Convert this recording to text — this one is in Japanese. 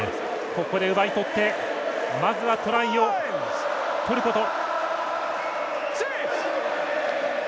ここで奪い取ってまずはトライを取ること。